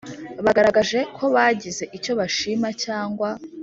bagaragaje ko bagize icyo bashima cyangwa